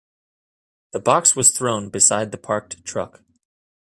The box was thrown beside the parked truck.